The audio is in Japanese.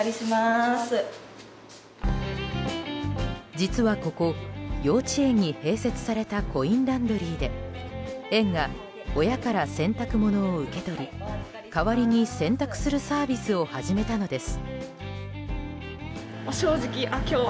実はここ、幼稚園に併設されたコインランドリーで園が親から洗濯物を受け取り代わりに洗濯するサービスを始めたのです。